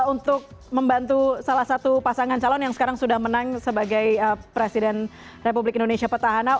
untuk membantu salah satu pasangan calon yang sekarang sudah menang sebagai presiden republik indonesia petahana